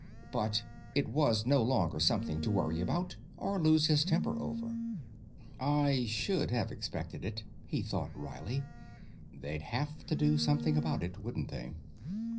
But it was no longer something to worry about or lose his temper over. I should have expected it, he thought wryly. _They'd have to do something about it, wouldn't they?